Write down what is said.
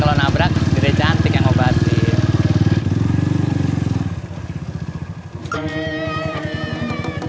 kalau nabrak gede cantik yang ngobatin